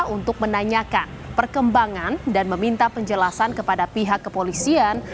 untuk menanyakan perkembangan dan meminta penjelasan kepada pihak kepolisian